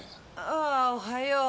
あぁおはよう。